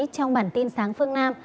trong bản tin sáng phương nam